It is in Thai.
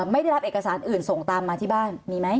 ไม่ได้รับเอกสารอื่นส่งตามมาที่บ้านมีไหม